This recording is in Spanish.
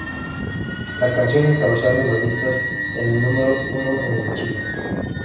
La canción encabezó las listas en el número uno en el China.